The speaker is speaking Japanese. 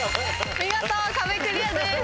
見事壁クリアです。